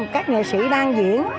các nghệ sĩ đang diễn